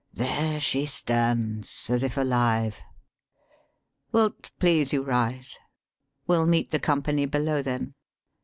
There she stands As if alive. Will 't please you rise ? We'll meet The company below, then.